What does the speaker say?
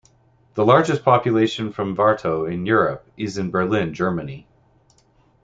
The largest population from Varto in Europe is in Berlin, Germany.